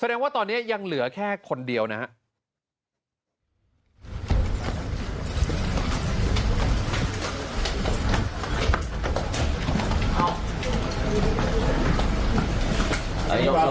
แสดงว่าตอนนี้ยังเหลือแค่คนเดียวนะครับ